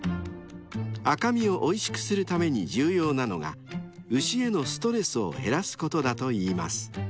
［赤身をおいしくするために重要なのが牛へのストレスを減らすことだといいます］